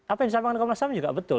apa yang disampaikan komnas ham juga betul